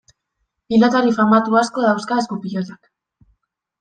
Pilotari famatu asko dauzka esku-pilotak.